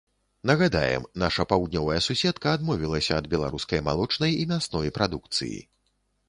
Нагадаем, наша паўднёвая суседка адмовілася ад беларускай малочнай і мясной прадукцыі.